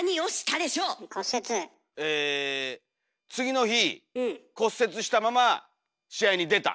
え次の日骨折したまま試合に出た。